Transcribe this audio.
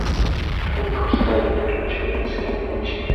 と書きかえるだけの仕事に過ぎないかも知れない